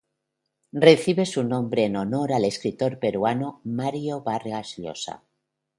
Recibe su nombre en honor al escritor peruano Mario Vargas Llosa.